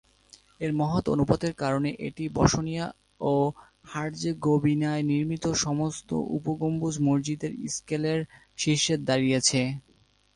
এর মহৎ অনুপাতের কারণে এটি বসনিয়া ও হার্জেগোভিনায় নির্মিত সমস্ত উপ-গম্বুজ মসজিদের স্কেলের শীর্ষে দাঁড়িয়েছে।